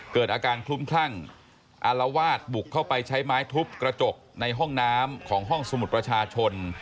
เกิดอาการคลุ้มคลั่งอารวาสบุกเข้าไปใช้ไม้ทุบกระจกในห้องน้ำของห้องสมุดประชาชน